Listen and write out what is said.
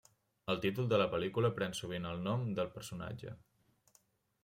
El títol de la pel·lícula pren sovint el del nom del personatge.